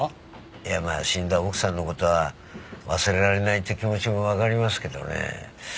いやまあ死んだ奥さんの事が忘れられないって気持ちもわかりますけどね。